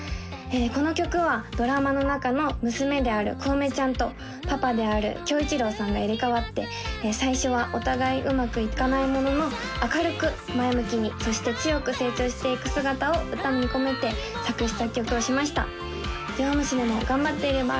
この曲はドラマの中のムスメである小梅ちゃんとパパである恭一郎さんが入れかわって最初はお互いうまくいかないものの明るく前向きにそして強く成長していく姿を歌に込めて作詞作曲をしました「弱虫でも頑張っていれば」